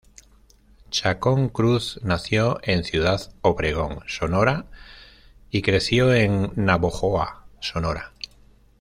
Chacón Cruz nació en Ciudad Obregón, Sonora, y creció en Navojoa, Sonora.